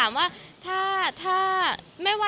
ก็บอกว่าเซอร์ไพรส์ไปค่ะ